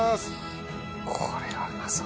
これはうまそうだ